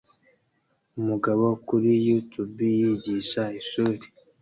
Umugabo kuri YouTube yigisha ishuri